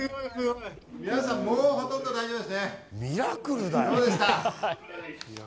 皆さん、もうほとんど大丈夫ですね。